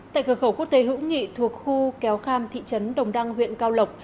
tại cửa khẩu quốc tế hữu nghị thuộc khu kéo kham thị trấn đồng đăng huyện cao lộc